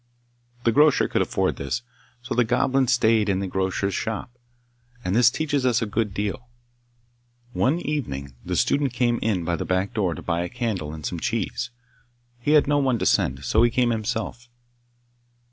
The grocer could afford this, so the Goblin stayed in the grocer's shop; and this teaches us a good deal. One evening the student came in by the back door to buy a candle and some cheese; he had no one to send, so he came himself.